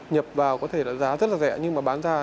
nhập vào có thể là giá rất là rẻ